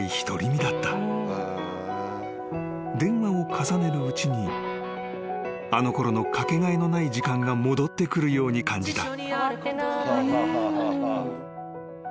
［電話を重ねるうちにあのころのかけがえのない時間が戻ってくるように感じた］